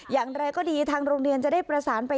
อย่างไรก็ดีทางโรงเรียนจะได้ประสานไป